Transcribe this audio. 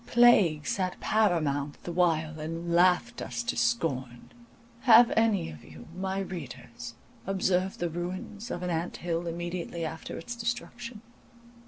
Plague sat paramount the while, and laughed us to scorn. Have any of you, my readers, observed the ruins of an anthill immediately after its destruction?